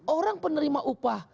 orang penerima upah